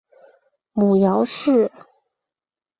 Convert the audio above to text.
母姚氏。